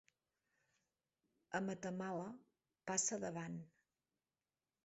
A Matamala, passa davant.